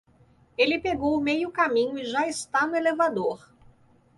Ele pegou meio caminho e já está no elevador.